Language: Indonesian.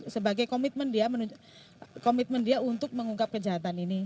sebagai komitmen dia untuk mengungkap kejahatan ini